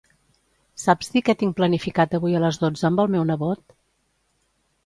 Saps dir què tinc planificat avui a les dotze amb el meu nebot?